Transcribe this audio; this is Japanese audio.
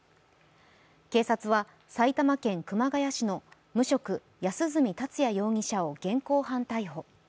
警察は埼玉県熊谷市の無職・安栖達也容疑者を現行犯逮捕。